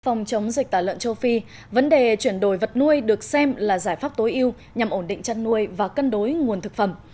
phòng chống dịch tả lợn châu phi vấn đề chuyển đổi vật nuôi được xem là giải pháp tối ưu nhằm ổn định chăn nuôi và cân đối nguồn thực phẩm